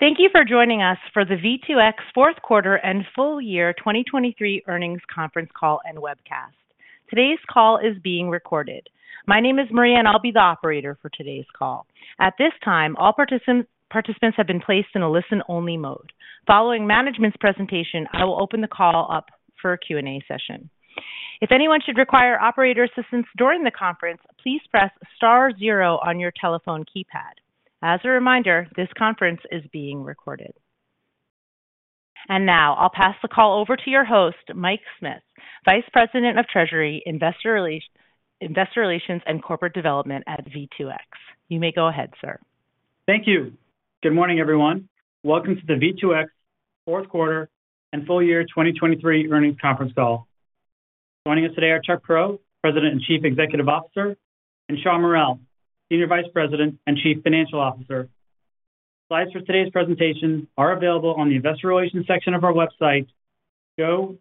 Thank you for joining us for the V2X fourth quarter and full year 2023 earnings conference call and webcast. Today's call is being recorded. My name is Maria, and I'll be the operator for today's call. At this time, all participants have been placed in a listen-only mode. Following management's presentation, I will open the call up for a Q&A session. If anyone should require operator assistance during the conference, please press star zero on your telephone keypad. As a reminder, this conference is being recorded. And now I'll pass the call over to your host, Mike Smith, Vice President of Treasury, Investor Relations, and Corporate Development at V2X. You may go ahead, sir. Thank you. Good morning, everyone. Welcome to the V2X fourth quarter and full year 2023 earnings conference call. Joining us today are Chuck Prow, President and Chief Executive Officer, and Shawn Mural, Senior Vice President and Chief Financial Officer. Slides for today's presentation are available on the Investor Relations section of our website, gov2x.com.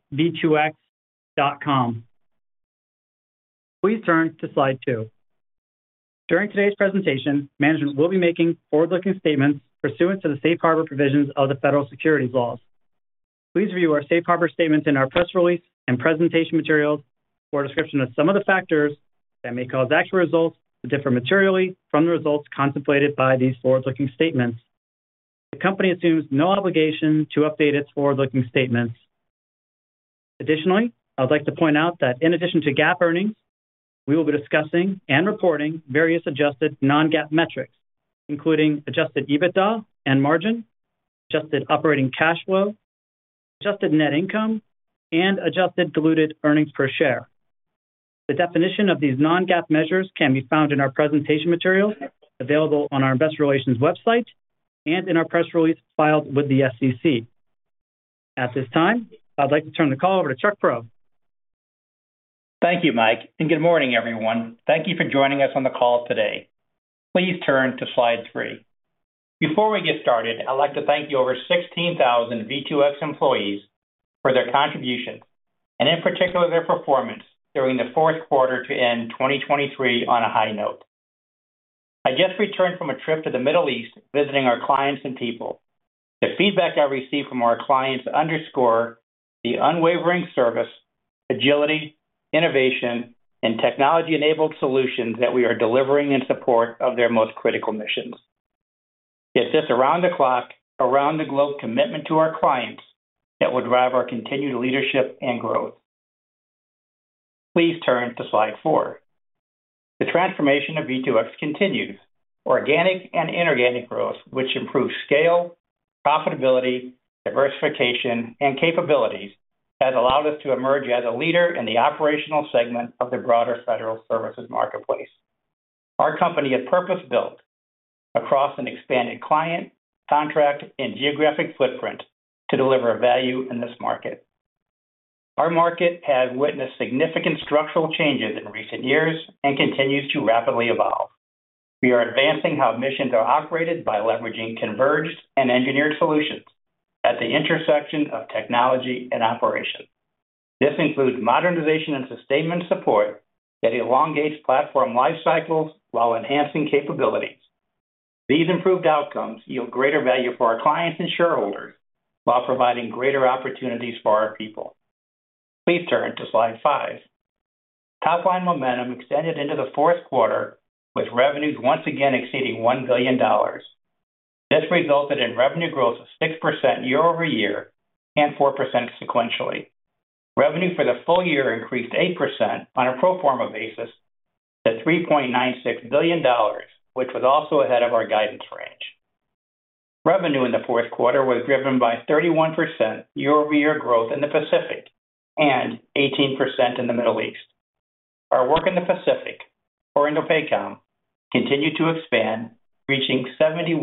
Please turn to slide two. During today's presentation, management will be making forward-looking statements pursuant to the Safe Harbor provisions of the federal securities laws. Please review our Safe Harbor statements in our press release and presentation materials for a description of some of the factors that may cause actual results to differ materially from the results contemplated by these forward-looking statements. The company assumes no obligation to update its forward-looking statements. Additionally, I'd like to point out that in addition to GAAP earnings, we will be discussing and reporting various adjusted Non-GAAP metrics, including Adjusted EBITDA and margin, adjusted operating cash flow, adjusted net income, and adjusted diluted earnings per share. The definition of these Non-GAAP measures can be found in our presentation materials available on our Investor Relations website and in our press release filed with the SEC. At this time, I'd like to turn the call over to Chuck Prow. Thank you, Mike, and good morning, everyone. Thank you for joining us on the call today. Please turn to slide three. Before we get started, I'd like to thank the over 16,000 V2X employees for their contributions and, in particular, their performance during the fourth quarter to end 2023 on a high note. I just returned from a trip to the Middle East visiting our clients and people. The feedback I received from our clients underscores the unwavering service, agility, innovation, and technology-enabled solutions that we are delivering in support of their most critical missions. It's this around-the-clock, around-the-globe commitment to our clients that will drive our continued leadership and growth. Please turn to slide three. The transformation of V2X continues. Organic and inorganic growth, which improves scale, profitability, diversification, and capabilities, has allowed us to emerge as a leader in the operational segment of the broader federal services marketplace. Our company is purpose-built across an expanded client, contract, and geographic footprint to deliver value in this market. Our market has witnessed significant structural changes in recent years and continues to rapidly evolve. We are advancing how missions are operated by leveraging converged and engineered solutions at the intersection of technology and operation. This includes modernization and sustainment support that elongates platform lifecycles while enhancing capabilities. These improved outcomes yield greater value for our clients and shareholders while providing greater opportunities for our people. Please turn to slide five. Top-line momentum extended into the fourth quarter, with revenues once again exceeding $1 billion. This resulted in revenue growth of 6% year-over-year and 4% sequentially. Revenue for the full year increased 8% on a pro forma basis to $3.96 billion, which was also ahead of our guidance range. Revenue in the fourth quarter was driven by 31% year-over-year growth in the Pacific and 18% in the Middle East. Our work in the Pacific, or INDOPACOM, continued to expand, reaching $71.2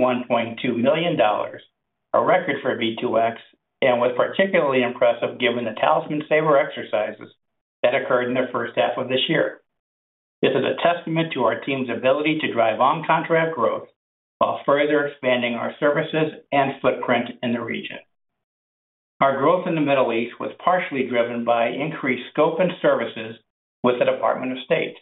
million, a record for V2X, and was particularly impressive given the Talisman Sabre exercises that occurred in the first half of this year. This is a testament to our team's ability to drive on-contract growth while further expanding our services and footprint in the region. Our growth in the Middle East was partially driven by increased scope and services with the Department of State.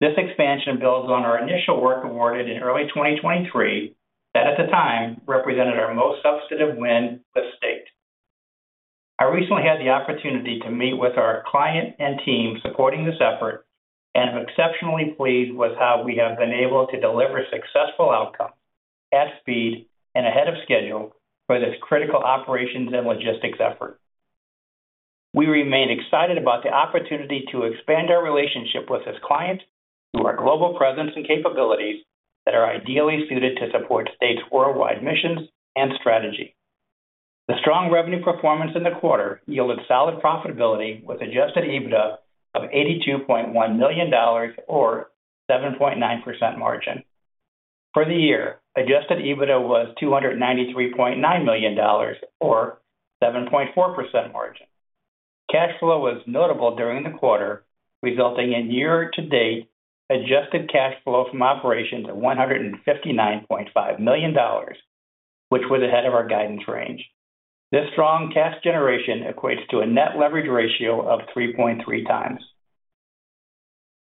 This expansion builds on our initial work awarded in early 2023 that, at the time, represented our most substantive win with State. I recently had the opportunity to meet with our client and team supporting this effort and am exceptionally pleased with how we have been able to deliver successful outcomes at speed and ahead of schedule for this critical operations and logistics effort. We remain excited about the opportunity to expand our relationship with this client through our global presence and capabilities that are ideally suited to support State's worldwide missions and strategy. The strong revenue performance in the quarter yielded solid profitability with Adjusted EBITDA of $82.1 million or 7.9% margin. For the year, Adjusted EBITDA was $293.9 million or 7.4% margin. Cash flow was notable during the quarter, resulting in year-to-date adjusted cash flow from operations at $159.5 million, which was ahead of our guidance range. This strong cash generation equates to a net leverage ratio of 3.3x.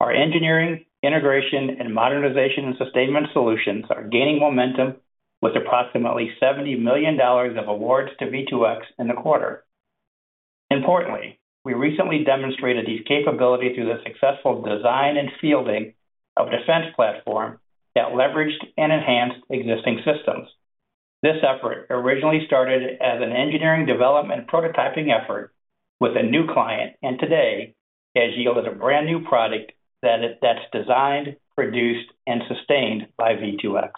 Our engineering, integration, and modernization and sustainment solutions are gaining momentum with approximately $70 million of awards to V2X in the quarter. Importantly, we recently demonstrated these capabilities through the successful design and fielding of a defense platform that leveraged and enhanced existing systems. This effort originally started as an engineering development prototyping effort with a new client, and today has yielded a brand new product that's designed, produced, and sustained by V2X.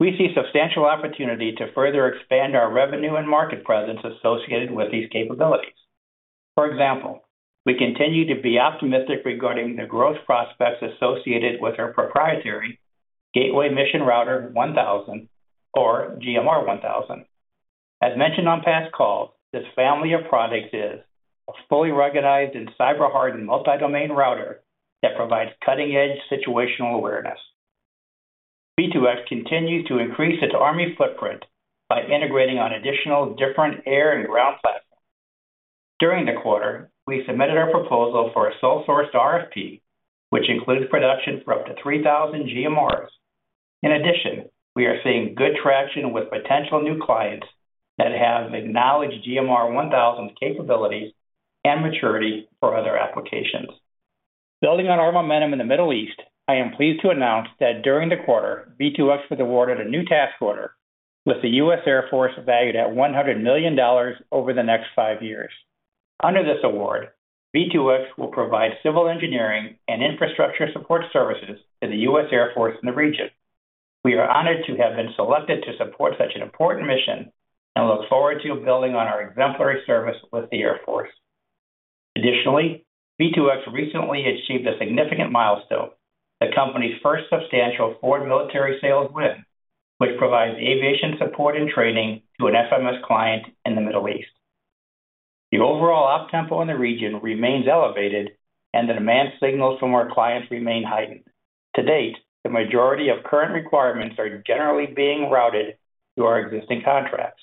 We see substantial opportunity to further expand our revenue and market presence associated with these capabilities. For example, we continue to be optimistic regarding the growth prospects associated with our proprietary Gateway Mission Router 1000 or GMR-1000. As mentioned on past calls, this family of products is a fully ruggedized and cyber-hardened multi-domain router that provides cutting-edge situational awareness. V2X continues to increase its army footprint by integrating on additional different air and ground platforms. During the quarter, we submitted our proposal for a sole-sourced RFP, which includes production for up to 3,000 GMR-1000s. In addition, we are seeing good traction with potential new clients that have acknowledged GMR-1000's capabilities and maturity for other applications. Building on our momentum in the Middle East, I am pleased to announce that during the quarter, V2X was awarded a new task order with the U.S. Air Force valued at $100 million over the next five years. Under this award, V2X will provide civil engineering and infrastructure support services to the U.S. Air Force in the region. We are honored to have been selected to support such an important mission and look forward to building on our exemplary service with the Air Force. Additionally, V2X recently achieved a significant milestone, the company's first substantial Foreign Military Sales win, which provides aviation support and training to an FMS client in the Middle East. The overall op tempo in the region remains elevated, and the demand signals from our clients remain heightened. To date, the majority of current requirements are generally being routed through our existing contracts.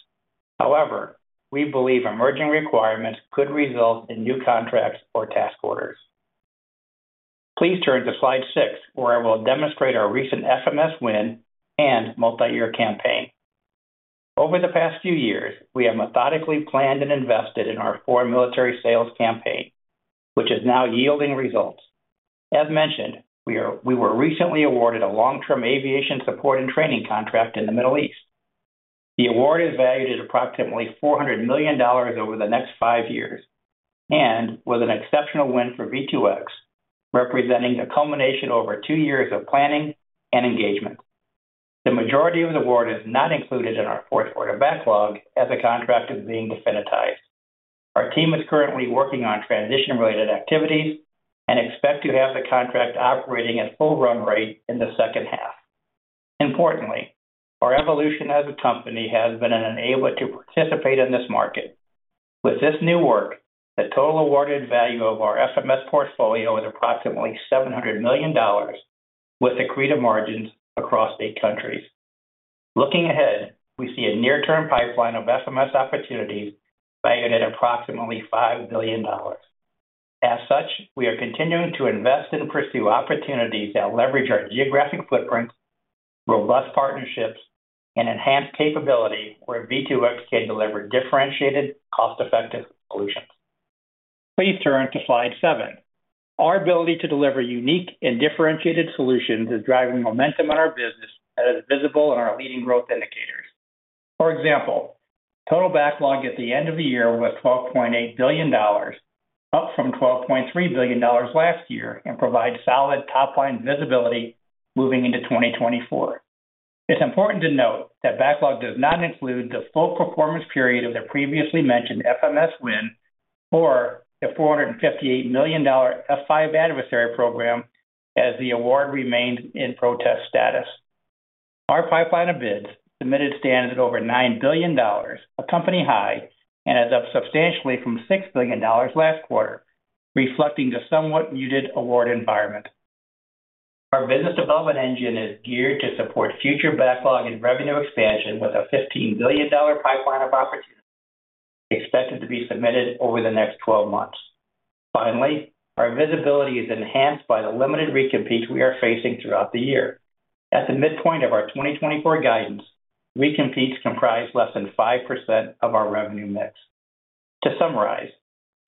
However, we believe emerging requirements could result in new contracts or task orders. Please turn to slide six, where I will demonstrate our recent FMS win and multi-year campaign. Over the past few years, we have methodically planned and invested in our Foreign Military Sales campaign, which is now yielding results. As mentioned, we were recently awarded a long-term aviation support and training contract in the Middle East. The award is valued at approximately $400 million over the next five years and was an exceptional win for V2X, representing the culmination of over two years of planning and engagement. The majority of the award is not included in our fourth quarter backlog as the contract is being definitized. Our team is currently working on transition-related activities and expects to have the contract operating at full run rate in the second half. Importantly, our evolution as a company has enabled us to participate in this market. With this new work, the total awarded value of our FMS portfolio is approximately $700 million, with accretive margins across eight countries. Looking ahead, we see a near-term pipeline of FMS opportunities valued at approximately $5 billion. As such, we are continuing to invest and pursue opportunities that leverage our geographic footprint, robust partnerships, and enhanced capability where V2X can deliver differentiated, cost-effective solutions. Please turn to slide seven. Our ability to deliver unique and differentiated solutions is driving momentum in our business that is visible in our leading growth indicators. For example, total backlog at the end of the year was $12.8 billion, up from $12.3 billion last year, and provides solid top-line visibility moving into 2024. It's important to note that backlog does not include the full performance period of the previously mentioned FMS win or the $458 million F-5 adversary program, as the award remained in protest status. Our pipeline of bids submitted stands at over $9 billion, a company high, and is up substantially from $6 billion last quarter, reflecting the somewhat muted award environment. Our business development engine is geared to support future backlog and revenue expansion with a $15 billion pipeline of opportunities expected to be submitted over the next 12 months. Finally, our visibility is enhanced by the limited recompetes we are facing throughout the year. At the midpoint of our 2024 guidance, recompetes comprise less than 5% of our revenue mix. To summarize,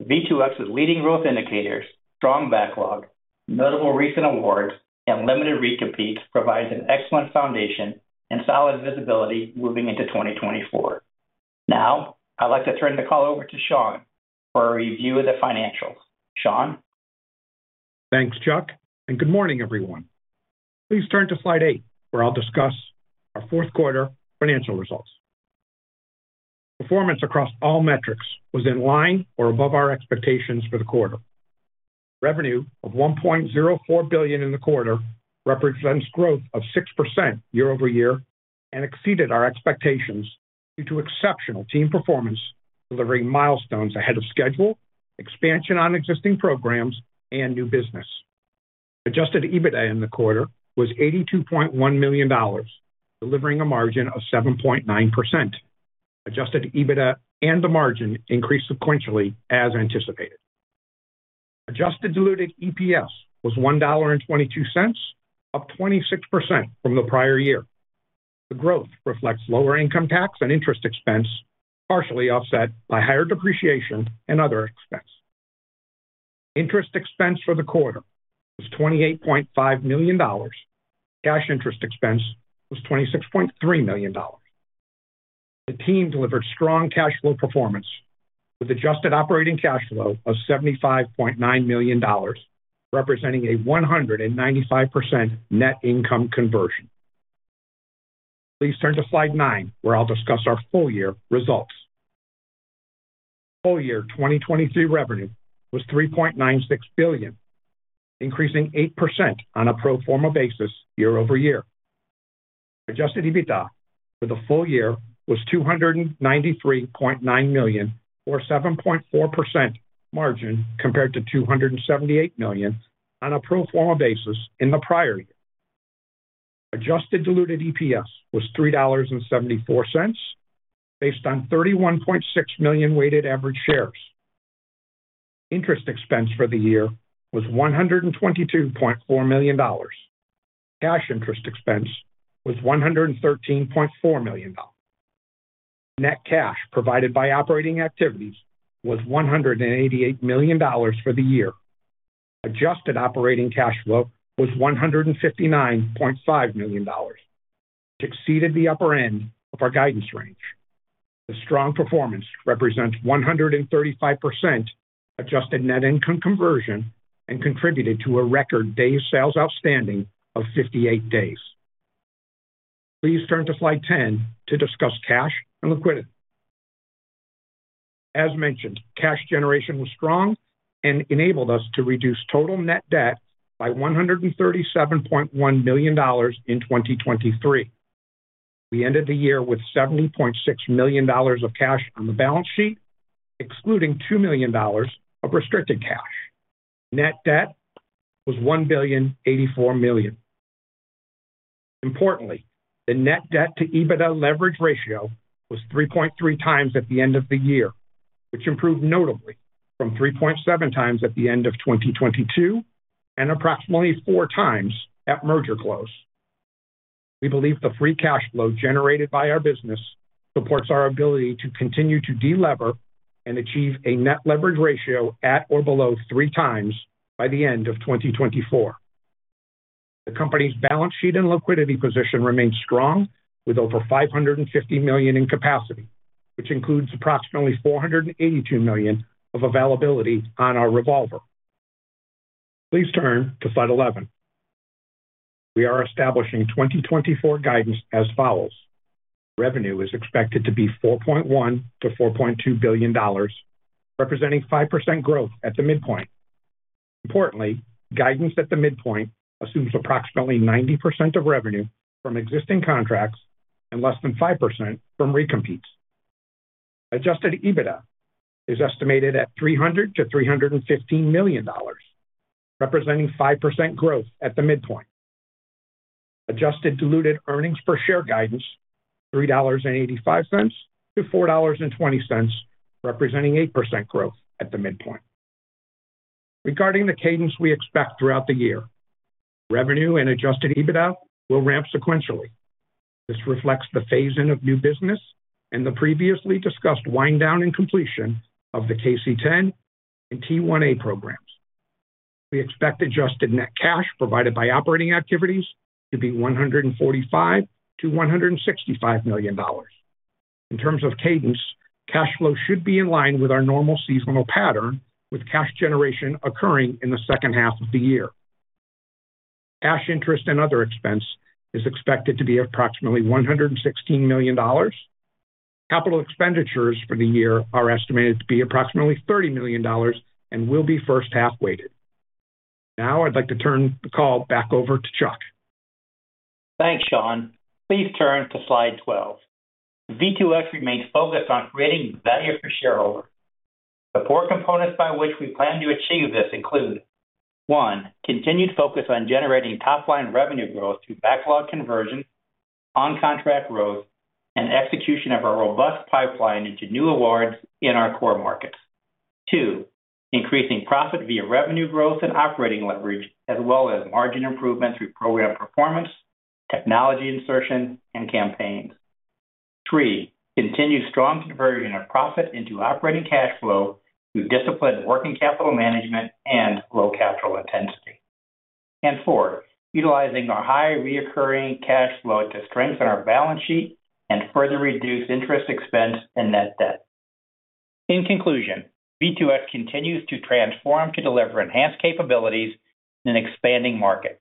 V2X's leading growth indicators, strong backlog, notable recent awards, and limited recompetes provide an excellent foundation and solid visibility moving into 2024. Now, I'd like to turn the call over to Shawn for a review of the financials. Shawn. Thanks, Chuck, and good morning, everyone. Please turn to slide eight, where I'll discuss our fourth quarter financial results. Performance across all metrics was in line or above our expectations for the quarter. Revenue of $1.04 billion in the quarter represents growth of 6% year-over-year and exceeded our expectations due to exceptional team performance, delivering milestones ahead of schedule, expansion on existing programs, and new business. Adjusted EBITDA in the quarter was $82.1 million, delivering a margin of 7.9%. Adjusted EBITDA and the margin increased sequentially as anticipated. Adjusted diluted EPS was $1.22, up 26% from the prior year. The growth reflects lower income tax and interest expense, partially offset by higher depreciation and other expense. Interest expense for the quarter was $28.5 million. Cash interest expense was $26.3 million. The team delivered strong cash flow performance, with adjusted operating cash flow of $75.9 million, representing a 195% net income conversion. Please turn to slide nine, where I'll discuss our full-year results. Full-year 2023 revenue was $3.96 billion, increasing 8% on a pro forma basis year-over-year. Adjusted EBITDA for the full year was $293.9 million, or 7.4% margin compared to $278 million on a pro forma basis in the prior year. Adjusted diluted EPS was $3.74, based on 31.6 million weighted average shares. Interest expense for the year was $122.4 million. Cash interest expense was $113.4 million. Net cash provided by operating activities was $188 million for the year. Adjusted operating cash flow was $159.5 million, which exceeded the upper end of our guidance range. The strong performance represents 135% adjusted net income conversion and contributed to a record day of sales outstanding of 58 days. Please turn to Slide 10 to discuss cash and liquidity. As mentioned, cash generation was strong and enabled us to reduce total net debt by $137.1 million in 2023. We ended the year with $70.6 million of cash on the balance sheet, excluding $2 million of restricted cash. Net debt was $1.084 billion. Importantly, the net debt-to-EBITDA leverage ratio was 3.3x at the end of the year, which improved notably from 3.7x at the end of 2022 and approximately four times at merger close. We believe the free cash flow generated by our business supports our ability to continue to de-lever and achieve a net leverage ratio at or below three times by the end of 2024. The company's balance sheet and liquidity position remains strong, with over $550 million in capacity, which includes approximately $482 million of availability on our revolver. Please turn to Slide 11. We are establishing 2024 guidance as follows. Revenue is expected to be $4.1 billion-$4.2 billion, representing 5% growth at the midpoint. Importantly, guidance at the midpoint assumes approximately 90% of revenue from existing contracts and less than 5% from recompetes. Adjusted EBITDA is estimated at $300 million-$315 million, representing 5% growth at the midpoint. Adjusted diluted earnings per share guidance: $3.85-$4.20, representing 8% growth at the midpoint. Regarding the cadence we expect throughout the year, revenue and adjusted EBITDA will ramp sequentially. This reflects the phase-in of new business and the previously discussed wind-down and completion of the KC-10 and T-1A programs. We expect adjusted net cash provided by operating activities to be $145 million-$165 million. In terms of cadence, cash flow should be in line with our normal seasonal pattern, with cash generation occurring in the second half of the year. Cash interest and other expense is expected to be approximately $116 million. Capital expenditures for the year are estimated to be approximately $30 million and will be first half-weighted. Now, I'd like to turn the call back over to Chuck. Thanks, Shawn. Please turn to Slide 12. V2X remains focused on creating value for shareholders. The core components by which we plan to achieve this include: one. Continued focus on generating top-line revenue growth through backlog conversion, on-contract growth, and execution of our robust pipeline into new awards in our core markets. two. Increasing profit via revenue growth and operating leverage, as well as margin improvement through program performance, technology insertion, and campaigns. three. Continued strong conversion of profit into operating cash flow through disciplined working capital management and low-capital intensity. And four. Utilizing our high recurring cash flow to strengthen our balance sheet and further reduce interest expense and net debt. In conclusion, V2X continues to transform to deliver enhanced capabilities in an expanding market.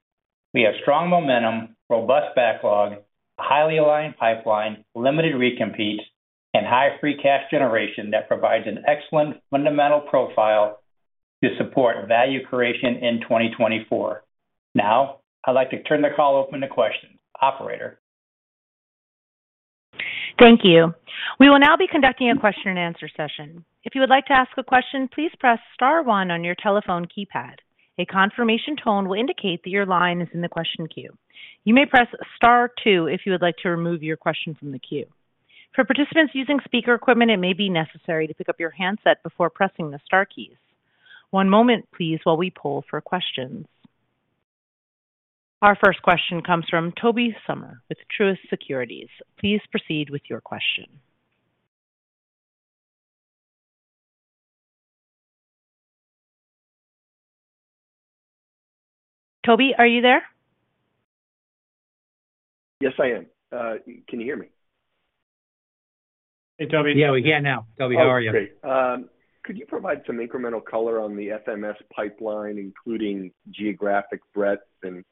We have strong momentum, robust backlog, a highly aligned pipeline, limited recompetes, and high free cash generation that provides an excellent fundamental profile to support value creation in 2024. Now, I'd like to turn the call open to questions. Operator. Thank you. We will now be conducting a question-and-answer session. If you would like to ask a question, please press star one on your telephone keypad. A confirmation tone will indicate that your line is in the question queue. You may press star two if you would like to remove your question from the queue. For participants using speaker equipment, it may be necessary to pick up your handset before pressing the star keys. One moment, please, while we pull for questions. Our first question comes from Tobey Sommer with Truist Securities. Please proceed with your question. Tobey, are you there? Yes, I am. Can you hear me? Hey, Toby. Yeah, we can now. Tobey, how are you? Oh, great. Could you provide some incremental color on the FMS pipeline, including geographic breadth and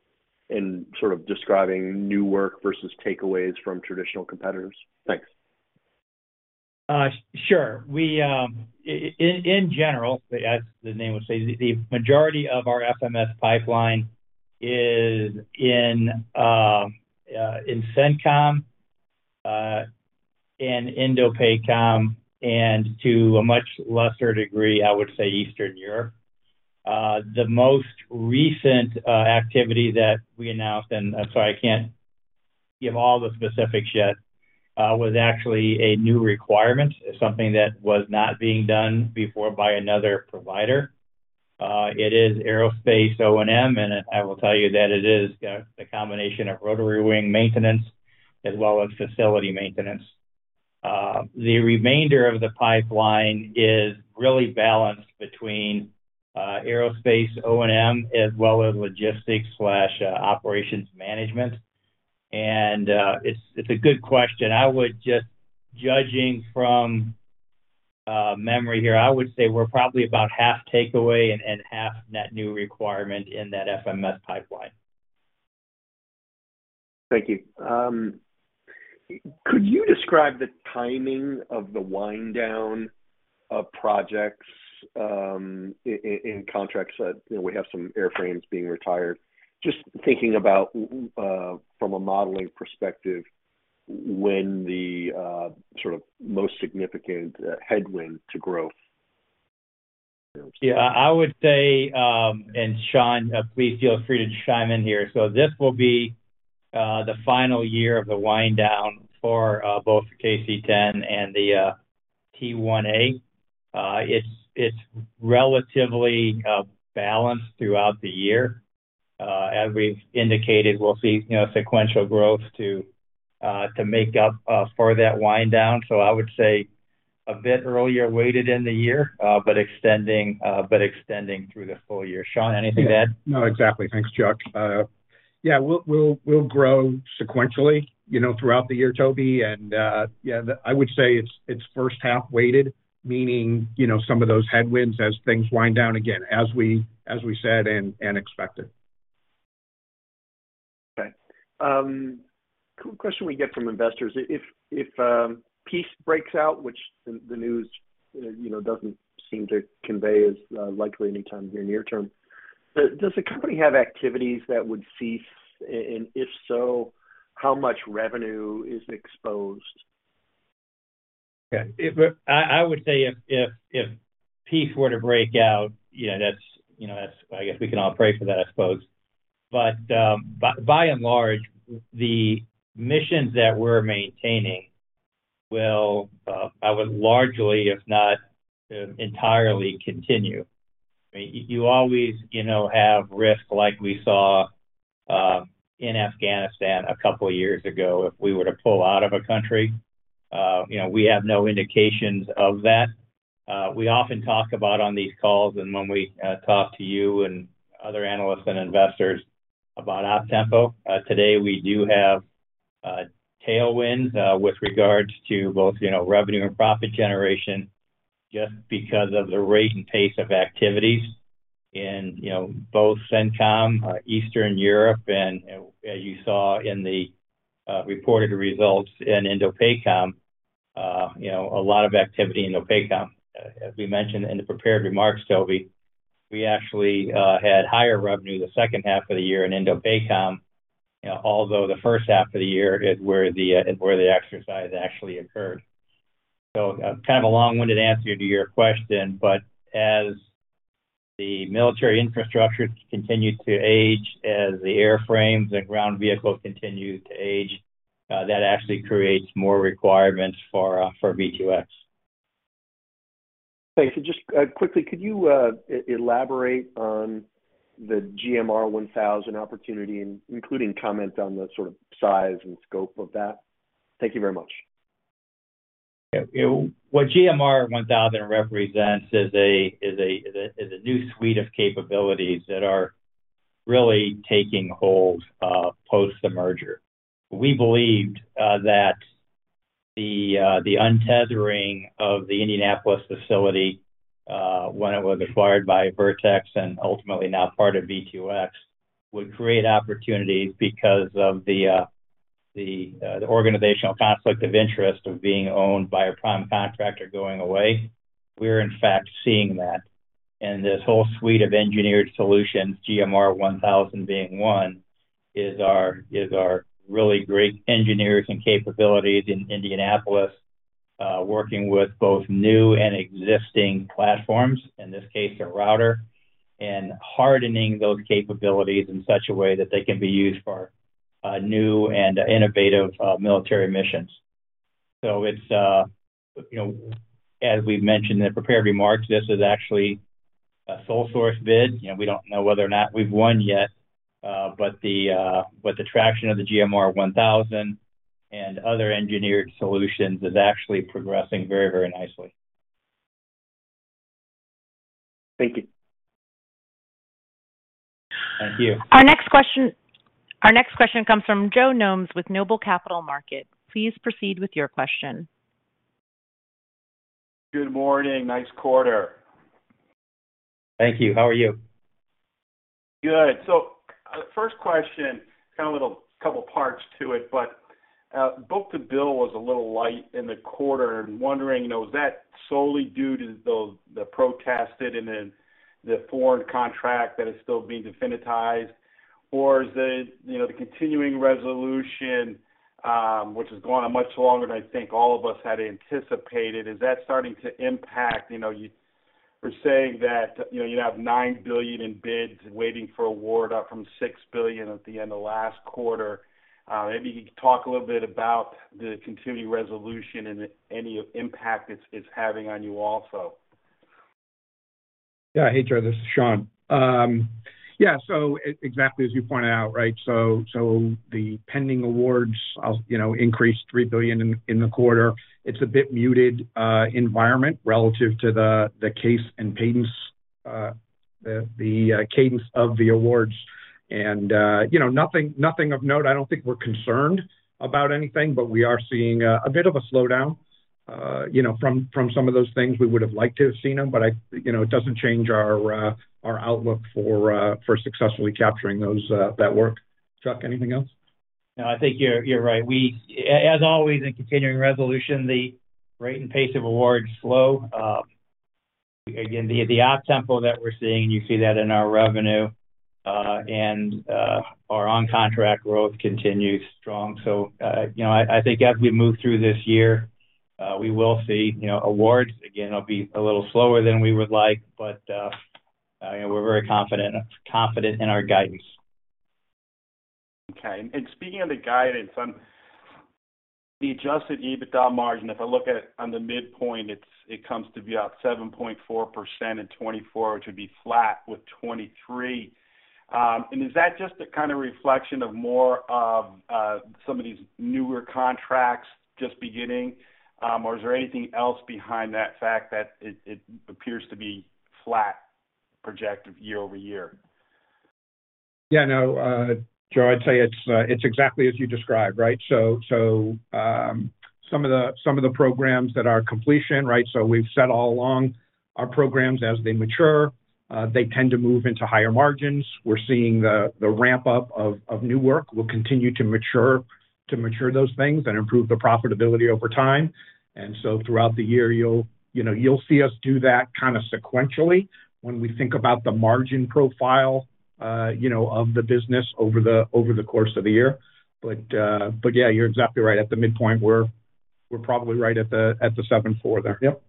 sort of describing new work versus takeaways from traditional competitors? Thanks. Sure. In general, as the name would say, the majority of our FMS pipeline is in CENTCOM and INDOPACOM and, to a much lesser degree, I would say Eastern Europe. The most recent activity that we announced, and I'm sorry, I can't give all the specifics yet, was actually a new requirement, something that was not being done before by another provider. It is Aerospace O&M, and I will tell you that it is a combination of rotary wing maintenance as well as facility maintenance. The remainder of the pipeline is really balanced between Aerospace O&M as well as logistics/operations management. It's a good question. Judging from memory here, I would say we're probably about half takeaway and half net new requirement in that FMS pipeline. Thank you. Could you describe the timing of the wind-down of projects in contracts? We have some airframes being retired. Just thinking about, from a modeling perspective, when the sort of most significant headwind to growth. Yeah, I would say, and Shawn, please feel free to chime in here, so this will be the final year of the wind-down for both the KC-10 and the T-1A. It's relatively balanced throughout the year. As we've indicated, we'll see sequential growth to make up for that wind-down. So I would say a bit earlier weighted in the year but extending through the full year. Shawn, anything to add? No, exactly. Thanks, Chuck. Yeah, we'll grow sequentially throughout the year, Toby. And yeah, I would say it's first half weighted, meaning some of those headwinds as things wind down again, as we said and expected. Okay. Quick question we get from investors. If peace breaks out, which the news doesn't seem to convey as likely anytime here in the near term, does the company have activities that would cease, and if so, how much revenue is exposed? Yeah. I would say if peace were to break out, that's, I guess we can all pray for that, I suppose. But by and large, the missions that we're maintaining will, I would, largely, if not entirely, continue. I mean, you always have risk, like we saw in Afghanistan a couple of years ago, if we were to pull out of a country. We have no indications of that. We often talk about on these calls, and when we talk to you and other analysts and investors, about optempo. Today, we do have tailwinds with regards to both revenue and profit generation just because of the rate and pace of activities in both CENTCOM, Eastern Europe, and as you saw in the reported results in INDOPACOM, a lot of activity in INDOPACOM. As we mentioned in the prepared remarks, Tobey, we actually had higher revenue the second half of the year in INDOPACOM, although the first half of the year is where the exercise actually occurred. So kind of a long-winded answer to your question, but as the military infrastructure continues to age, as the airframes and ground vehicles continue to age, that actually creates more requirements for V2X. Thank you. Just quickly, could you elaborate on the GMR-1000 opportunity, including comment on the sort of size and scope of that? Thank you very much. Yeah. What GMR-1000 represents is a new suite of capabilities that are really taking hold post the merger. We believed that the untethering of the Indianapolis facility when it was acquired by Vertex and ultimately now part of V2X would create opportunities because of the organizational conflict of interest of being owned by a prime contractor going away. We're, in fact, seeing that. And this whole suite of engineered solutions, GMR-1000 being one, is our really great engineers and capabilities in Indianapolis working with both new and existing platforms, in this case, a router, and hardening those capabilities in such a way that they can be used for new and innovative military missions. So as we've mentioned in the prepared remarks, this is actually a sole-source bid. We don't know whether or not we've won yet, but the traction of the GMR-1000 and other engineered solutions is actually progressing very, very nicely. Thank you. Thank you. Our next question comes from Joe Gomes with Noble Capital Markets. Please proceed with your question. Good morning. Nice quarter. Thank you. How are you? Good. So first question, kind of a couple of parts to it, but both the bill was a little light in the quarter. I'm wondering, was that solely due to the protested and then the foreign contract that is still being definitized, or is the continuing resolution, which has gone on much longer than I think all of us had anticipated, is that starting to impact? We're saying that you have $9 billion in bids waiting for award, up from $6 billion at the end of last quarter. Maybe you could talk a little bit about the continuing resolution and any impact it's having on you also. Yeah. Hey, Joe. This is Sean. Yeah. So exactly as you pointed out, right? So the pending awards increased $3 billion in the quarter. It's a bit muted environment relative to the case and cadence of the awards. And nothing of note. I don't think we're concerned about anything, but we are seeing a bit of a slowdown from some of those things. We would have liked to have seen them, but it doesn't change our outlook for successfully capturing that work. Chuck, anything else? No, I think you're right. As always, in Continuing Resolution, the rate and pace of awards slow. Again, the optempo that we're seeing, and you see that in our revenue, and our on-contract growth continues strong. So I think as we move through this year, we will see awards. Again, it'll be a little slower than we would like, but we're very confident in our guidance. Okay. Speaking of the guidance, the Adjusted EBITDA margin, if I look at the midpoint, it comes to be about 7.4% in 2024, which would be flat with 2023. Is that just a kind of reflection of more of some of these newer contracts just beginning, or is there anything else behind that fact that it appears to be flat projected year-over-year? Yeah. No, Joe, I'd say it's exactly as you described, right? So some of the programs that are completing, right? So we've said all along our programs as they mature, they tend to move into higher margins. We're seeing the ramp-up of new work. We'll continue to mature those things and improve the profitability over time. And so throughout the year, you'll see us do that kind of sequentially when we think about the margin profile of the business over the course of the year. But yeah, you're exactly right. At the midpoint, we're probably right at the 7.4% there. Yep.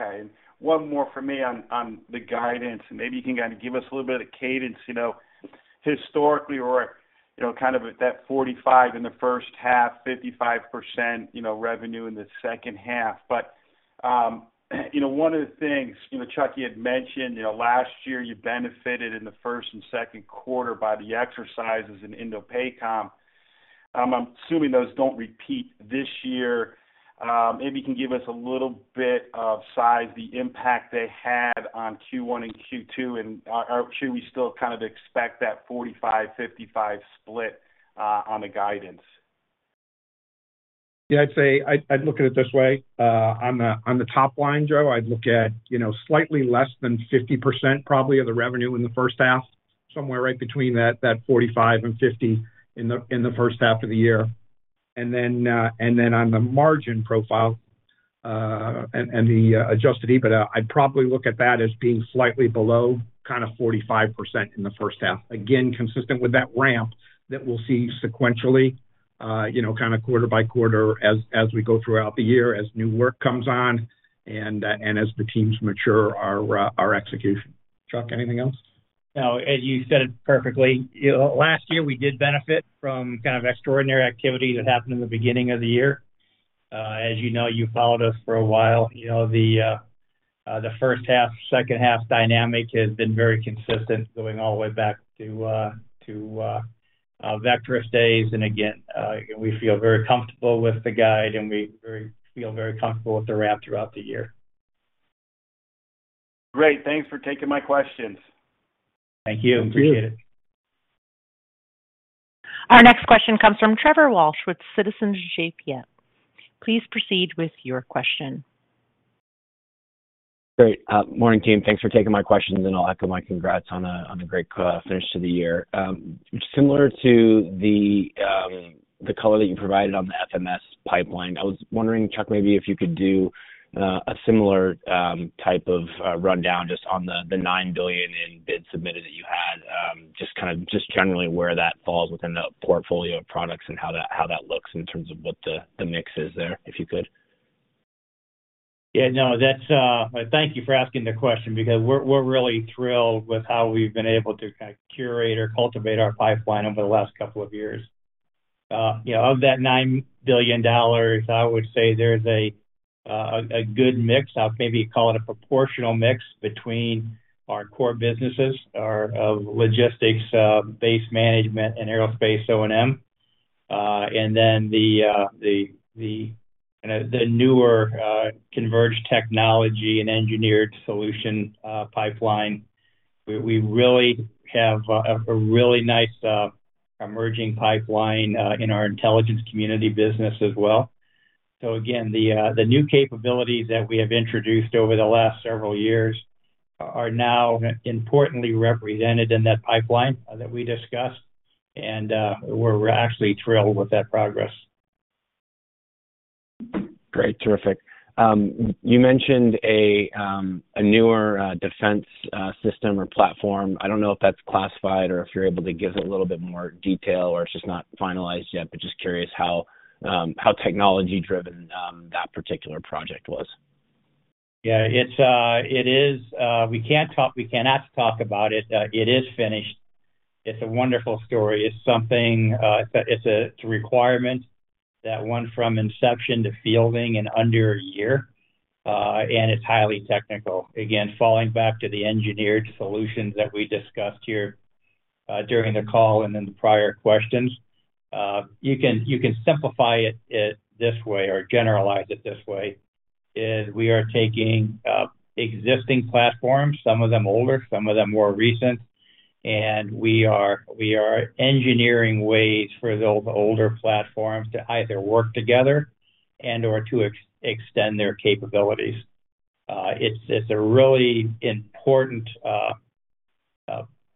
Okay. One more for me on the guidance. Maybe you can kind of give us a little bit of cadence. Historically, we're kind of at that 45% in the first half, 55% revenue in the second half. But one of the things, Chuck, you had mentioned last year, you benefited in the first and second quarter by the exercises in INDOPACOM. I'm assuming those don't repeat this year. Maybe you can give us a little bit of size, the impact they had on Q1 and Q2, and should we still kind of expect that 45%-55% split on the guidance? Yeah, I'd say I'd look at it this way. On the top line, Joe, I'd look at slightly less than 50% probably of the revenue in the first half, somewhere right between that 45%-50% in the first half of the year. And then on the margin profile and the Adjusted EBITDA, I'd probably look at that as being slightly below kind of 45% in the first half, again, consistent with that ramp that we'll see sequentially, kind of quarter by quarter as we go throughout the year, as new work comes on and as the teams mature our execution. Chuck, anything else? No, you said it perfectly. Last year, we did benefit from kind of extraordinary activity that happened in the beginning of the year. As you know, you followed us for a while. The first half, second half dynamic has been very consistent, going all the way back to Vectrus days. And again, we feel very comfortable with the guide, and we feel very comfortable with the ramp throughout the year. Great. Thanks for taking my questions. Thank you. Appreciate it. Our next question comes from Trevor Walsh with Citizens JMP. Please proceed with your question. Great. Morning, team. Thanks for taking my questions, and I'll echo my congrats on a great finish to the year. Similar to the color that you provided on the FMS pipeline, I was wondering, Chuck, maybe if you could do a similar type of rundown just on the $9 billion in bids submitted that you had, just kind of just generally where that falls within the portfolio of products and how that looks in terms of what the mix is there, if you could. Yeah. No, thank you for asking the question because we're really thrilled with how we've been able to kind of curate or cultivate our pipeline over the last couple of years. Of that $9 billion, I would say there's a good mix. I'd maybe call it a proportional mix between our core businesses of logistics-based management and aerospace O&M, and then the kind of the newer converged technology and engineered solution pipeline. We really have a really nice emerging pipeline in our intelligence community business as well. So again, the new capabilities that we have introduced over the last several years are now importantly represented in that pipeline that we discussed, and we're actually thrilled with that progress. Great. Terrific. You mentioned a newer defense system or platform. I don't know if that's classified or if you're able to give it a little bit more detail or it's just not finalized yet, but just curious how technology-driven that particular project was? Yeah, it is. We can't have to talk about it. It is finished. It's a wonderful story. It's a requirement that went from inception to fielding in under a year, and it's highly technical. Again, falling back to the engineered solutions that we discussed here during the call and in the prior questions, you can simplify it this way or generalize it this way. We are taking existing platforms, some of them older, some of them more recent, and we are engineering ways for those older platforms to either work together and/or to extend their capabilities. It's a really important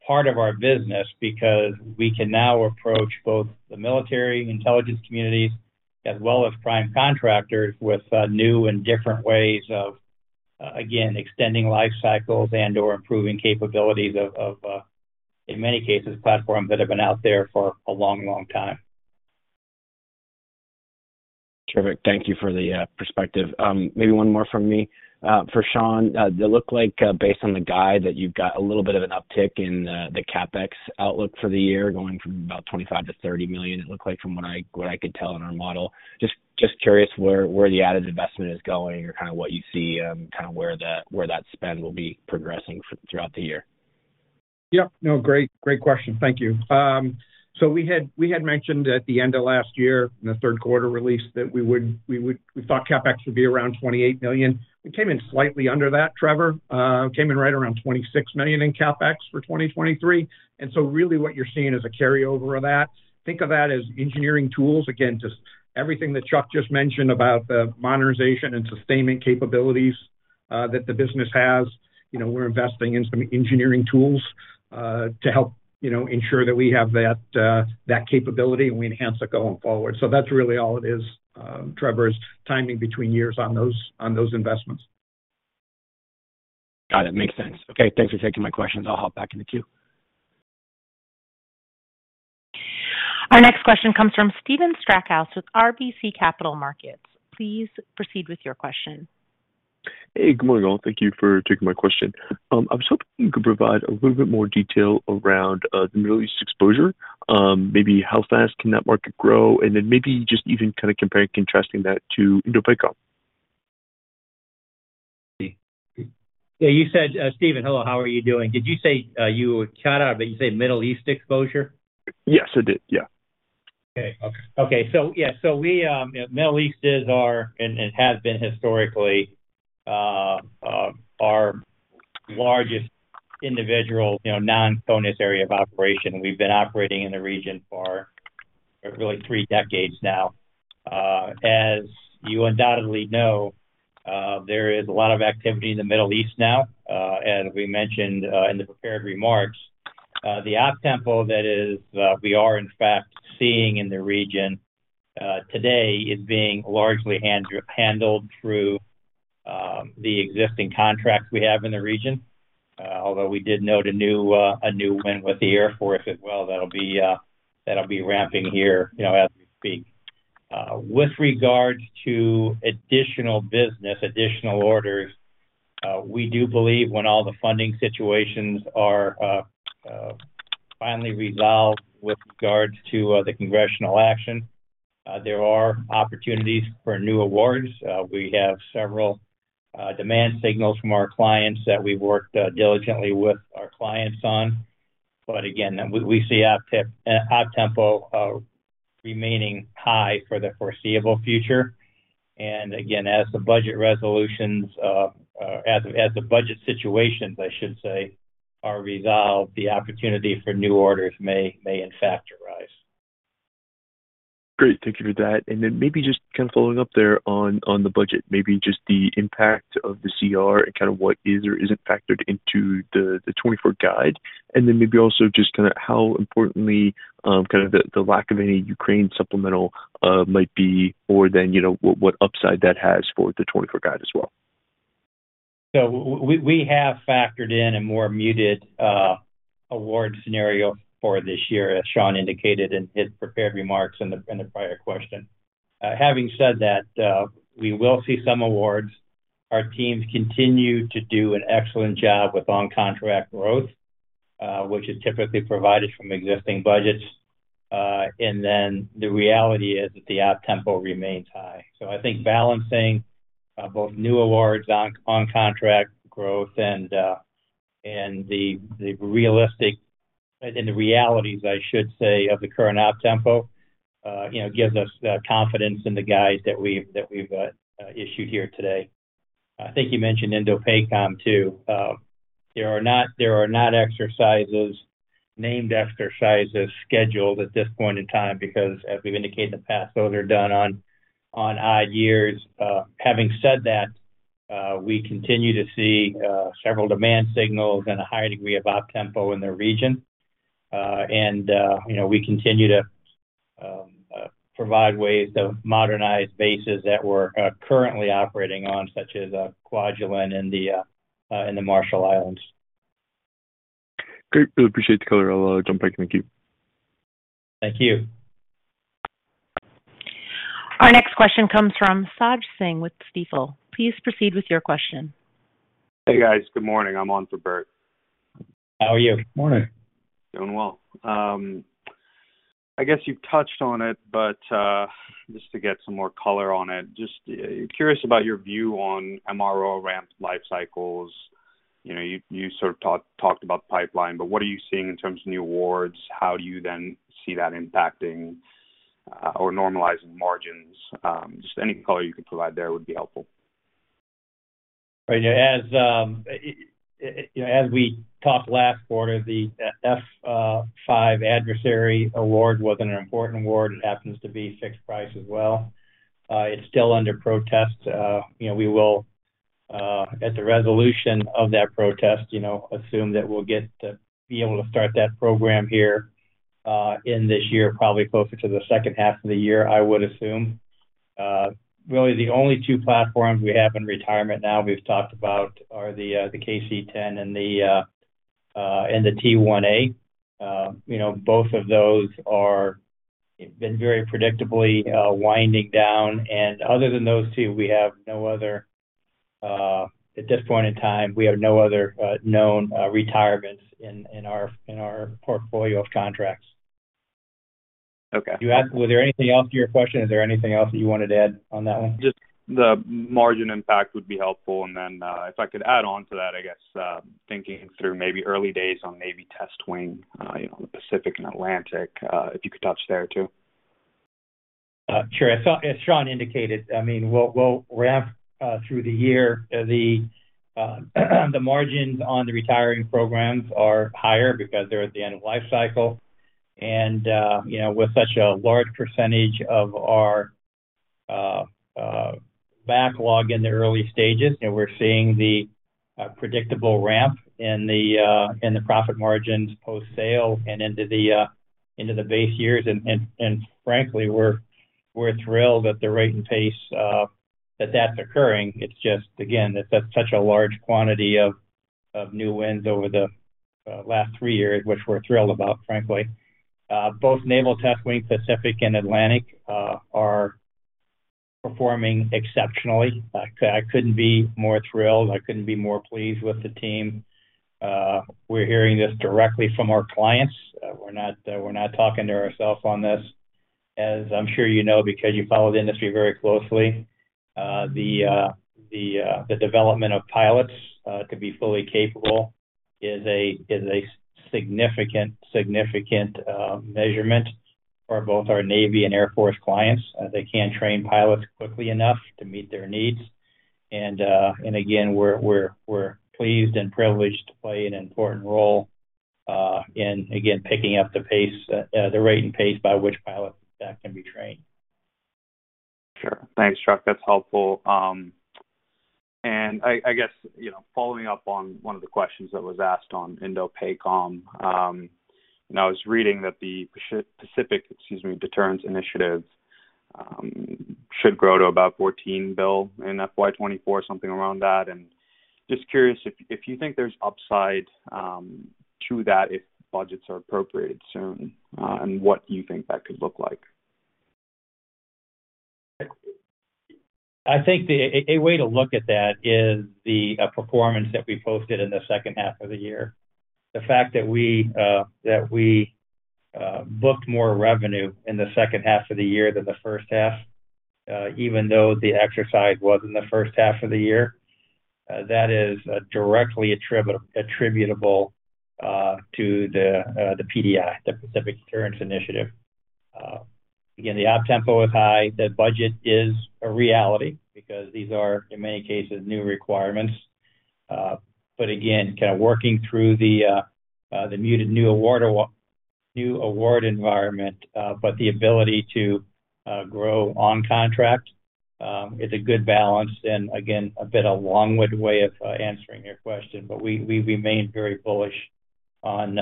part of our business because we can now approach both the military intelligence communities as well as prime contractors with new and different ways of, again, extending lifecycles and/or improving capabilities of, in many cases, platforms that have been out there for a long, long time. Terrific. Thank you for the perspective. Maybe one more from me for Shawn. It looked like, based on the guide, that you've got a little bit of an uptick in the CapEx outlook for the year, going from about $25 million-$30 million, it looked like, from what I could tell in our model. Just curious where the added investment is going or kind of what you see, kind of where that spend will be progressing throughout the year. Yep. No, great question. Thank you. So we had mentioned at the end of last year in the third quarter release that we thought CapEx would be around $28 million. It came in slightly under that, Trevor. It came in right around $26 million in CapEx for 2023. And so really, what you're seeing is a carryover of that. Think of that as engineering tools. Again, just everything that Chuck just mentioned about the modernization and sustainment capabilities that the business has, we're investing in some engineering tools to help ensure that we have that capability and we enhance it going forward. So that's really all it is, Trevor, is timing between years on those investments. Got it. Makes sense. Okay. Thanks for taking my questions. I'll hop back in the queue. Our next question comes from Stephen Strackhouse with RBC Capital Markets. Please proceed with your question. Hey, good morning, all. Thank you for taking my question. I was hoping you could provide a little bit more detail around the Middle East exposure, maybe how fast can that market grow, and then maybe just even kind of comparing and contrasting that to INDOPACOM. Yeah. Stephen, hello. How are you doing? Did you say you were cut out, but you said Middle East exposure? Yes, I did. Yeah. Okay. Okay. Okay. So yeah. So Middle East is our and has been historically our largest individual non-CONUS area of operation. We've been operating in the region for really three decades now. As you undoubtedly know, there is a lot of activity in the Middle East now. As we mentioned in the prepared remarks, the optempo that we are, in fact, seeing in the region today is being largely handled through the existing contracts we have in the region, although we did note a new win with the Air Force, as well. That'll be ramping here as we speak. With regards to additional business, additional orders, we do believe when all the funding situations are finally resolved with regards to the congressional action, there are opportunities for new awards. We have several demand signals from our clients that we've worked diligently with our clients on. But again, we see optempo remaining high for the foreseeable future. And again, as the budget resolutions as the budget situations, I should say, are resolved, the opportunity for new orders may, in fact, arise. Great. Thank you for that. And then maybe just kind of following up there on the budget, maybe just the impact of the CR and kind of what is or isn't factored into the 2024 guide, and then maybe also just kind of how importantly kind of the lack of any Ukraine supplemental might be or then what upside that has for the 2024 guide as well? So we have factored in a more muted award scenario for this year, as Shawn indicated in his prepared remarks and the prior question. Having said that, we will see some awards. Our teams continue to do an excellent job with on-contract growth, which is typically provided from existing budgets. And then the reality is that the optempo remains high. So I think balancing both new awards, on-contract growth, and the realistic and the realities, I should say, of the current optempo gives us confidence in the guides that we've issued here today. I think you mentioned INDOPACOM too. There are not exercises, named exercises, scheduled at this point in time because, as we've indicated in the past, those are done on odd years. Having said that, we continue to see several demand signals and a higher degree of optempo in the region. We continue to provide ways to modernize bases that we're currently operating on, such as Kwajalein in the Marshall Islands. Great. Really appreciate the color. I'll jump back in the queue. Thank you. Our next question comes from Sahaj Singh with Stifel. Please proceed with your question. Hey, guys. Good morning. I'm on for Bert. How are you? Good morning. Doing well. I guess you've touched on it, but just to get some more color on it, just curious about your view on MRO ramped lifecycles. You sort of talked about the pipeline, but what are you seeing in terms of new awards? How do you then see that impacting or normalizing margins? Just any color you could provide there would be helpful. Right. As we talked last quarter, the F-5 adversary award wasn't an important award. It happens to be fixed price as well. It's still under protest. We will, at the resolution of that protest, assume that we'll be able to start that program here in this year, probably closer to the second half of the year, I would assume. Really, the only two platforms we have in retirement now we've talked about are the KC-10 and the T-1A. Both of those have been very predictably winding down. And other than those two, we have no other at this point in time, we have no other known retirements in our portfolio of contracts. Was there anything else to your question? Is there anything else that you wanted to add on that one? Just the margin impact would be helpful. And then if I could add on to that, I guess, thinking through maybe early days on Naval Test Wing Pacific and Atlantic, if you could touch there too. Sure. As Shawn indicated, I mean, we'll ramp through the year. The margins on the retiring programs are higher because they're at the end of lifecycle. With such a large percentage of our backlog in the early stages, we're seeing the predictable ramp in the profit margins post-sale and into the base years. Frankly, we're thrilled at the rate and pace that that's occurring. It's just, again, that's such a large quantity of new wins over the last three years, which we're thrilled about, frankly. Both Naval Test Wing Pacific and Atlantic are performing exceptionally. I couldn't be more thrilled. I couldn't be more pleased with the team. We're hearing this directly from our clients. We're not talking to ourselves on this. As I'm sure you know because you follow the industry very closely, the development of pilots to be fully capable is a significant measurement for both our Navy and Air Force clients. They can't train pilots quickly enough to meet their needs. And again, we're pleased and privileged to play an important role in, again, picking up the pace, the rate and pace by which pilots can be trained. Sure. Thanks, Chuck. That's helpful. And I guess following up on one of the questions that was asked on INDOPACOM, I was reading that the Pacific, excuse me, Deterrence Initiative should grow to about $14 billion in FY 2024, something around that. And just curious if you think there's upside to that if budgets are appropriated soon and what you think that could look like. I think a way to look at that is the performance that we posted in the second half of the year. The fact that we booked more revenue in the second half of the year than the first half, even though the exercise was in the first half of the year, that is directly attributable to the PDI, the Pacific Deterrence Initiative. Again, the optempo is high. The budget is a reality because these are, in many cases, new requirements. But again, kind of working through the muted new award environment but the ability to grow on contract, it's a good balance and, again, a bit long-winded way of answering your question. But we remain very bullish on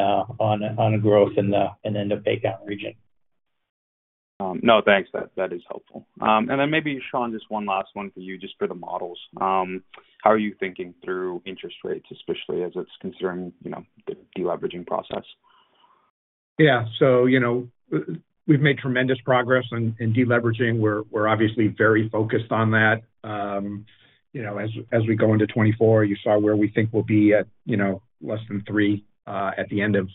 growth in the INDOPACOM region. No, thanks. That is helpful. And then maybe, Shawn, just one last one for you, just for the models. How are you thinking through interest rates, especially as it's considering the deleveraging process? Yeah. We've made tremendous progress in deleveraging. We're obviously very focused on that. As we go into 2024, you saw where we think we'll be at less than three at the end of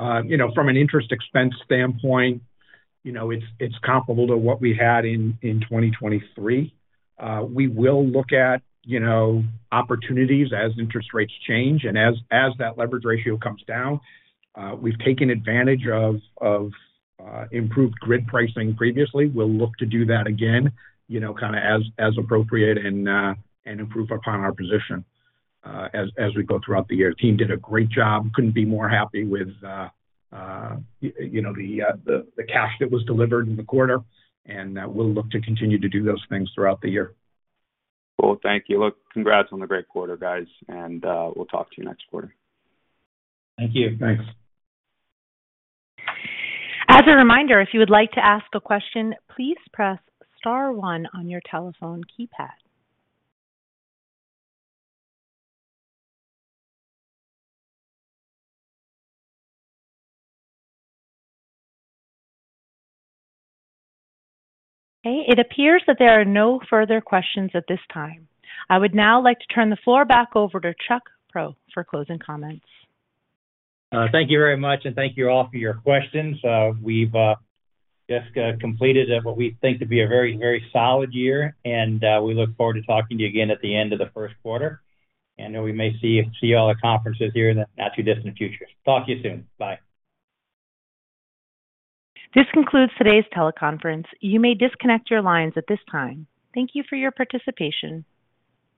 2024. From an interest expense standpoint, it's comparable to what we had in 2023. We will look at opportunities as interest rates change and as that leverage ratio comes down. We've taken advantage of improved grid pricing previously. We'll look to do that again kind of as appropriate and improve upon our position as we go throughout the year. The team did a great job. Couldn't be more happy with the cash that was delivered in the quarter. We'll look to continue to do those things throughout the year. Cool. Thank you. Look, congrats on the great quarter, guys. We'll talk to you next quarter. Thank you. Thanks. As a reminder, if you would like to ask a question, please press star 1 on your telephone keypad. Okay. It appears that there are no further questions at this time. I would now like to turn the floor back over to Chuck Prow for closing comments. Thank you very much. Thank you all for your questions. We've just completed what we think to be a very, very solid year. We look forward to talking to you again at the end of the first quarter. We may see all the conferences here in the not-too-distant future. Talk to you soon. Bye. This concludes today's teleconference. You may disconnect your lines at this time. Thank you for your participation.